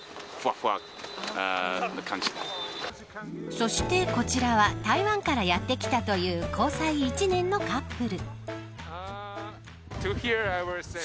そして、こちらは台湾からやってきたという交際１年のカップル。